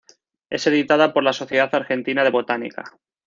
Es editada por la Sociedad Argentina de Botánica.